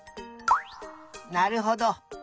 なるほど。